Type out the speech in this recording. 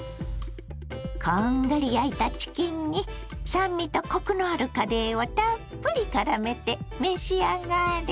こんがり焼いたチキンに酸味とコクのあるカレーをたっぷりからめて召し上がれ。